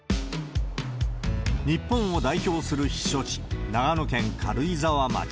日本を代表する避暑地、長野県軽井沢町。